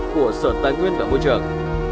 của sở tài nguyên và môi trường